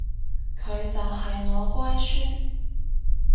佢就係我乖孫